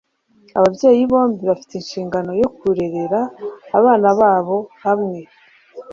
ababyeyi bombi bafite inshingano yo kurerera abana babo hamwe